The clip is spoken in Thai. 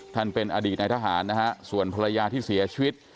เป็นอดีตในทหารนะฮะส่วนภรรยาที่เสียชีวิต